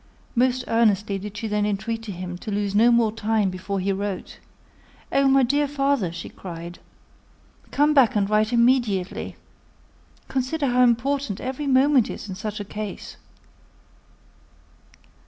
Most earnestly did she then entreat him to lose no more time before he wrote. "Oh! my dear father," she cried, "come back and write immediately. Consider how important every moment is in such a case."